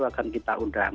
akan kita undang